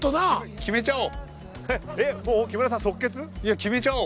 決めちゃおう。